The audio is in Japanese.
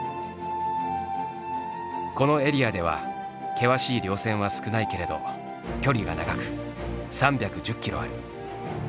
このエリアでは険しい稜線は少ないけれど距離は長く３１０キロある。